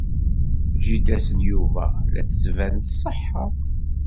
Jida-s n Yuba la d-tettban tṣeḥḥa.